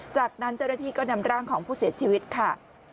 จากนั้นเจ้าหน้าที่ก็นำร่างของผู้เสียชีวิตค่ะ